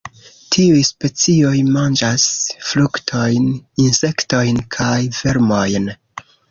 Tiuj specioj manĝas fruktojn, insektojn kaj vermojn.